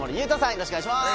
よろしくお願いします。